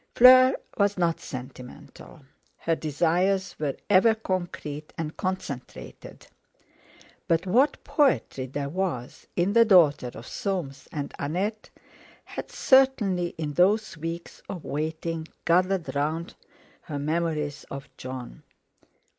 Fleur was not sentimental, her desires were ever concrete and concentrated, but what poetry there was in the daughter of Soames and Annette had certainly in those weeks of waiting gathered round her memories of Jon.